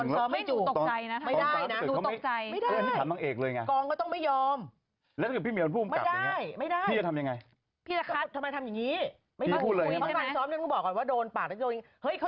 เล่นลักษณ์กับผู้อีกคนหนึ่งแล้วให้จูบไม่ได้นะไม่ได้ตอนซ้อมให้หนูตกใจนะ